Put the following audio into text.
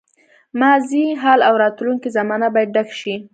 ماضي، حال او راتلونکې زمانه باید ډک شي.